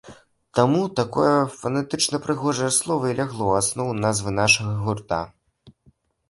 Таму такое фанетычна-прыгожае слова і лягло ў аснову назвы нашага гурта.